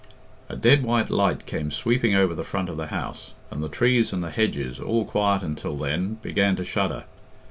A dead white light came sweeping over the front of the house, and the trees and the hedges, all quiet until then, began to shudder.